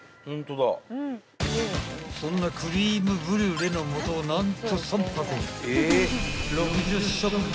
［そんなクリームブリュレの素を何と］